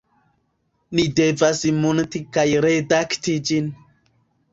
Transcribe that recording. Ni devas munti kaj redakti ĝin